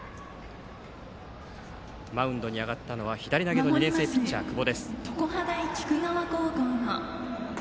マウンドに上がったのは左投げの２年生エース、久保。